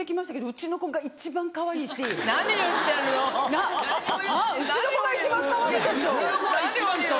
うちの子が一番かわいいでしょ？